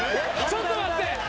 ちょっと待って！